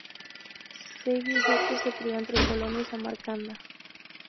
Zvi Hecker se crio entre Polonia y Samarcanda.